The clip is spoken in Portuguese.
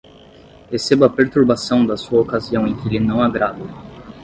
recebo a perturbação da sua ocasião em que lhe não agrado